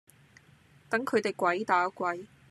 等佢地鬼打鬼